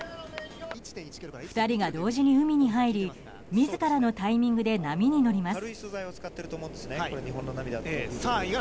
２人が同時に海に入り自らのタイミングで波に乗ります。